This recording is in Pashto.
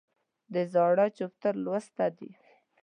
د زاړه چپټر لوسته دي